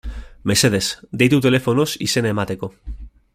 Mesedez, deitu telefonoz izena emateko.